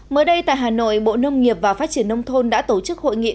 mới đây tại hà nội bộ nông nghiệp và phát triển nông thôn đã tổ chức hội nghị